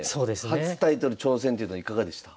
初タイトル挑戦というのはいかがでした？